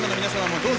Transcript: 皆さん